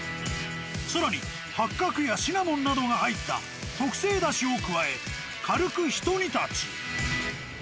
更に八角やシナモンなどが入った特製だしを加え軽くひと煮立ち。